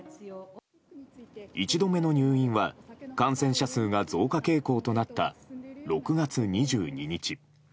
１度目の入院は感染者が増加傾向となった６月２２日。